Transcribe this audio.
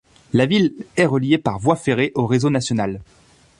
La ville est reliée par voie ferrée au réseau national.